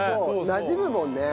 なじむもんね。